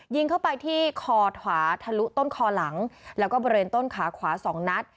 ยิงเข้าไปที่คอขวาทะลุต้นคอหลังแล้วก็บริเวณต้นขาขวา๒นัด